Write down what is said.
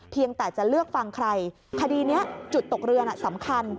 เพียงแต่จะเลือกฟังใครคดีนี้จุดตกเรือน่ะสำคัญ